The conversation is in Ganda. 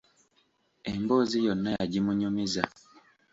Emboozi yonna yagimunyumiza.